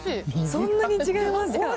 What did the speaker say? そんなに違いますか。